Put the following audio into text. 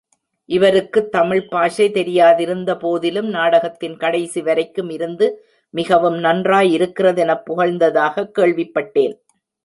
இவருக்குத் தமிழ் பாஷை தெரியாதிருந்த போதிலும், நாடகத்தின் கடைசி வரைக்கும் இருந்து மிகவும் நன்றாய் இருக்கிறதெனப் புகழ்ந்ததாகக் கேள்விப்பட்டேன்.